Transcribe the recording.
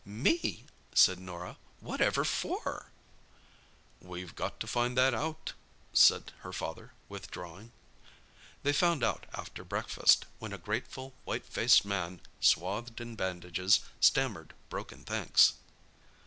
"Me!" said Norah. "Whatever for?" "We've got to find that out," said her father, withdrawing. They found out after breakfast, when a grateful, white faced man, swathed in bandages, stammered broken thanks.